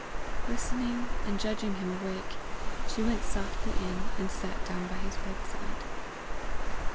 Listening, and judging him awake, she went softly in, and sat down by his bedside.